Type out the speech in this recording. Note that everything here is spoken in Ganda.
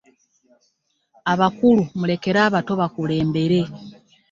Abakulu mulekere abato bakulembere.